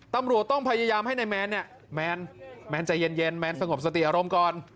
ตำรวจต้องพยายามให้นายแมนเนี่ยแมนใจเย็นแมนสงบสติอารมณ์ก่อน